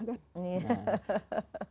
berarti income nya juga nambah